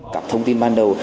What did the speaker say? các thông tin ban đầu